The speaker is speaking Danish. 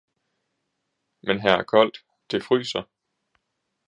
Men her er koldt, det fryser!